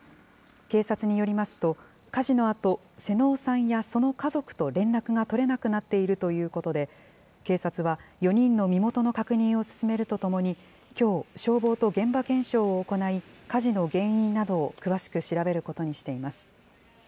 警察によりますと、火事のあと、妹尾さんやその家族と連絡が取れなくなっているということで、警察は４人の身元の確認を進めるとともに、きょう、消防と現場検証を行い、火事の原因などを詳しく調べることにしています。